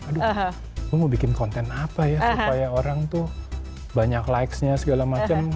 aduh gue mau bikin konten apa ya supaya orang tuh banyak likesnya segala macam